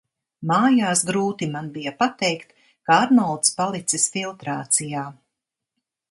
Mājās grūti man bija pateikt, ka Arnolds palicis filtrācijā.